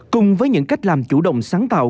cùng với những cách làm chủ động sáng tạo